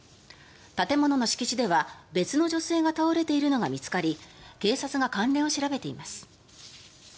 建物の敷地では別の女性が倒れているのが見つかり警察が関連を調べています。